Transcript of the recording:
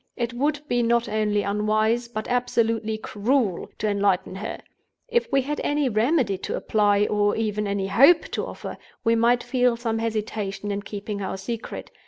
It would be not only unwise, but absolutely cruel, to enlighten her. If we had any remedy to apply, or even any hope to offer, we might feel some hesitation in keeping our secret.